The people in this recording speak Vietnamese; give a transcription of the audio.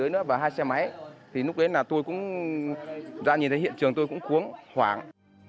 nhưng hiện trường tôi cũng cuống hoảng